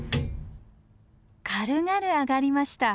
軽々上がりました。